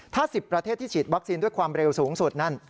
ถ้า๑๐ประเทศที่ฉีดวัคซีนด้วยความเร็วสูงสุดนั่น